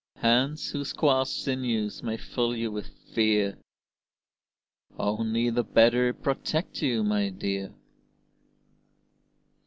Hands whose coarse sinews may fill you with fear Only the better protect you, my dear!